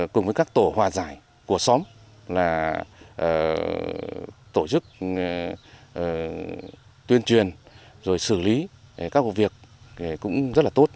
cùng với các tổ hòa giải của xóm là tổ chức tuyên truyền rồi xử lý các vụ việc cũng rất là tốt